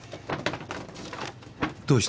どうした？